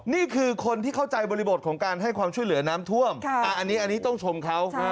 นี่คือคนที่เข้าใจบริบทของการให้ความช่วยเหลือน้ำท่วมอันนี้ต้องชมเขา